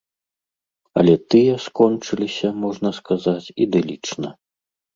Але тыя скончыліся, можна сказаць, ідылічна.